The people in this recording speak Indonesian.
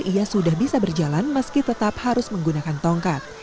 ia sudah bisa berjalan meski tetap harus menggunakan tongkat